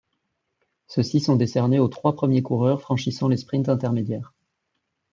Ceux-ci sont décernés aux trois premiers coureurs franchissant les sprints intermédiaires.